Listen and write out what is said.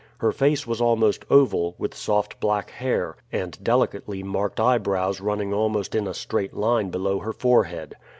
Her face was almost oval, with soft black hair, and delicately marked eyebrows running almost in a straight line below her forehead.